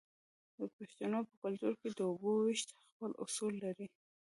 د پښتنو په کلتور کې د اوبو ویش خپل اصول لري.